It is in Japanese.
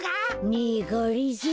ねえがりぞー。